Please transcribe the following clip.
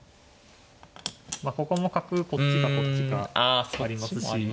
まあここも角こっちかこっちかありますし。